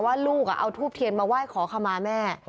ว่าลูกเอาทูบเทียนมาไหว้ขอขมาแม่